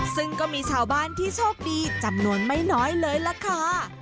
ซึ่งก็มีชาวบ้านที่โชคดีจำนวนไม่น้อยเลยล่ะค่ะ